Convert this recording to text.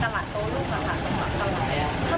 ตอนนั้นตรงที่เกิดนี้มันจะมียา